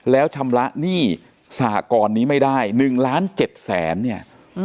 แล้วชำระหนี้สหกรนี้ไม่ได้๑๗๐๐๐๐๐บาทเนี่ย